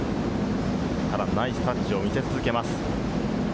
ただナイスタッチを見せ続けます。